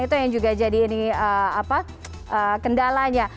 itu yang juga jadi ini kendalanya